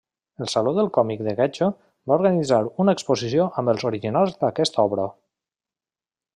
El Saló del Còmic de Getxo va organitzar una exposició amb els orinals d'aquesta obra.